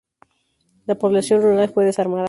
La población rural fue desarmada.